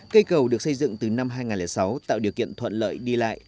cây cầu được xây dựng từ năm hai nghìn sáu tạo điều kiện thuận lợi đi lại